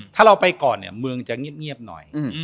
ถ้าเราไปก่อนเนี่ยเมืองจะเงียบหน่อย